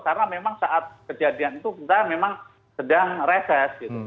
karena memang saat kejadian itu kita memang sedang reses